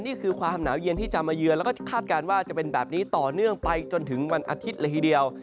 นี่คือความหนาวเย็นที่จะมาเยือนแล้วก็คาดการณ์ว่าจะเป็นแบบนี้ต่อเนื่องไปจนถึงวันอาทิตย์เลยทีเดียว